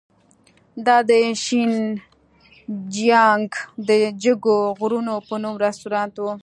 دا د شینجیانګ د جګو غرونو په نوم رستورانت و.